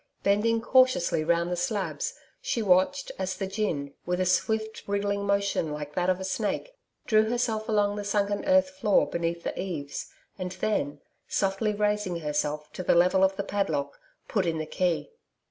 Bending cautiously round the slabs, she watched, as the gin, with a swift wriggling motion like that of a snake, drew herself along the sunken earth floor beneath the eaves and then, softly raising herself to the level of the padlock, put in the key.